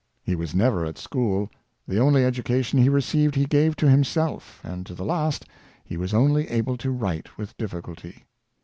He was never at school. The only ed ucation he received he gave to himself, and to the last he was only able to write with difficulty.